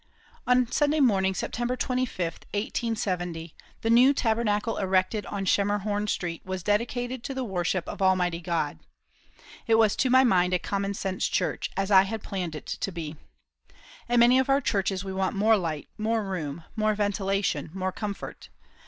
On Sunday morning, September 25, 1870, the new Tabernacle erected on Schemerhorn Street was dedicated to the worship of Almighty God. It was to my mind a common sense church, as I had planned it to be. In many of our churches we want more light, more room, more ventilation, more comfort.